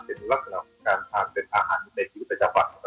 เป็นลักษณะของการทานเป็นอาหารในชีวิตประจำวัน